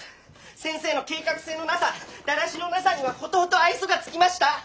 先生の計画性のなさだらしのなさにはほとほと愛想が尽きました！